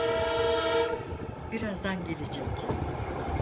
Birazdan gelecek.